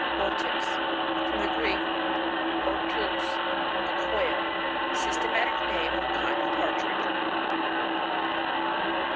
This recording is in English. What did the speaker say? Orttx. — From the Greek, ortMx^ a quail. Systematic name of a kind of Partridge.